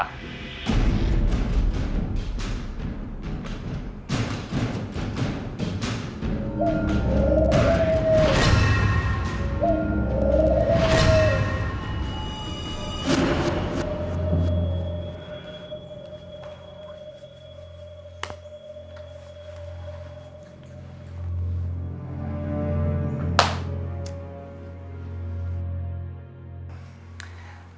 อาจจะเป็นเห็น